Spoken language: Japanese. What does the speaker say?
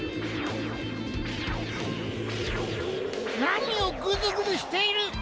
なにをぐずぐずしている！